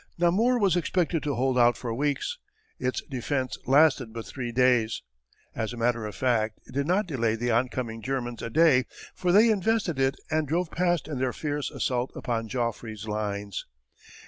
Namur was expected to hold out for weeks. Its defence lasted but three days! As a matter of fact it did not delay the oncoming Germans a day, for they invested it and drove past in their fierce assault upon Joffre's lines.